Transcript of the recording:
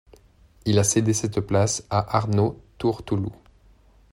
Il a cédé cette place à Arnaud Tourtoulou.